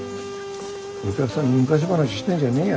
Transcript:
お客さんに昔話してんじゃねえよ。